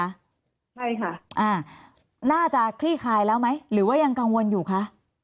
ใช่ค่ะอ่าน่าจะคลี่คลายแล้วไหมหรือว่ายังกังวลอยู่คะ